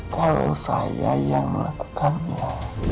kalau saya yang melakukannya